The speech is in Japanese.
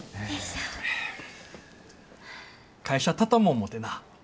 会社畳も思てな。